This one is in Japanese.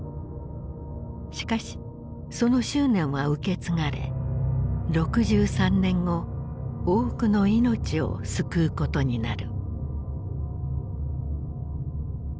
しかしその執念は受け継がれ６３年後多くの命を救うことになる。